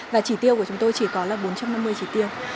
và trí tiêu của chúng tôi chỉ có là bốn trăm năm mươi trí tiêu